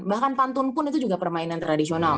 bahkan pantun pun itu juga permainan tradisional